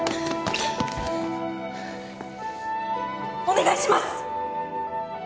お願いします。